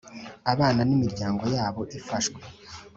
Abana nimiryango yabo ifashwe.